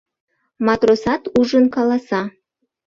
«Матросат ужын, каласа...